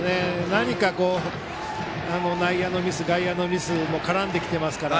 何か内野のミス、外野のミスが絡んできていますから。